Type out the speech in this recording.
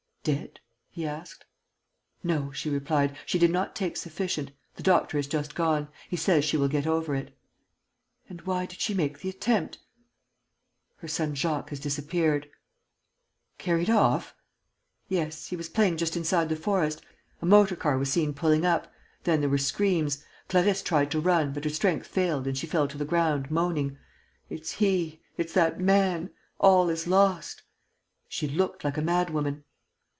"Dead?" he asked. "No," she replied, "she did not take sufficient. The doctor has just gone. He says she will get over it." "And why did she make the attempt?" "Her son Jacques has disappeared." "Carried off?" "Yes, he was playing just inside the forest. A motor car was seen pulling up. Then there were screams. Clarisse tried to run, but her strength failed and she fell to the ground, moaning, 'It's he ... it's that man ... all is lost!' She looked like a madwoman."